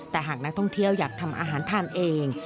แต่หากนักท่องเที่ยวอยากทำอาหารทานเอง